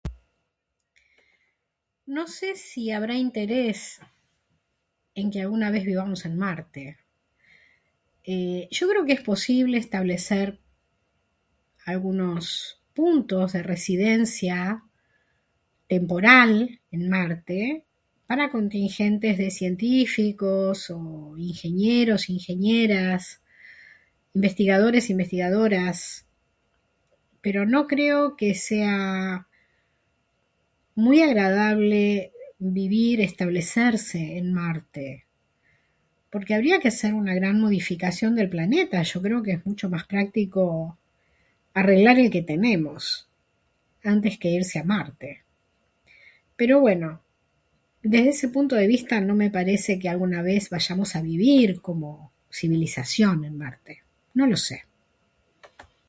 No sé si habrá interés en que alguna vez vivamos en Marte. Eh... Yo creo que es posible establecer algunos... puntos de residencia temporal en Marte para contingentes de científicos, o... ingenieros, ingenieras, investigadores, investigadoras. Pero no creo que sea... muy agradable vivir, establecerse en Marte; porque habría que hacer una gran modificación del planeta. Yo creo que es mucho más práctico arreglar el que tenemos, antes que irse a Marte. Pero bueno, desde ese punto de vista no me parece que alguna vez vayamos a vivir como civilización en Marte. No lo sé.